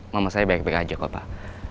mama saya baik baik aja kok pak